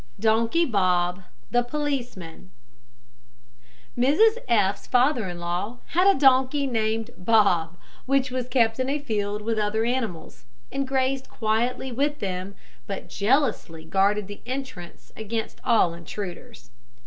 DONKEY BOB, THE POLICEMAN. Mrs F 's father in law had a donkey named Bob, which was kept in a field with other animals, and grazed quietly with them, but jealously guarded the entrance against all intruders.